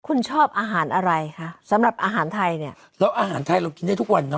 คุณชอบอาหารอะไรคะสำหรับอาหารไทยเนี่ยแล้วอาหารไทยเรากินได้ทุกวันเนอ